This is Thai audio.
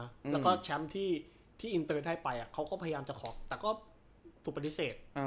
แล้วก็แชมป์ที่อินเตอร์ได้ไปเขาก็พยายามจะขอแต่ก็ถูกปฏิเสธ